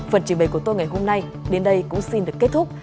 phần trình bày của tôi ngày hôm nay đến đây cũng xin được kết thúc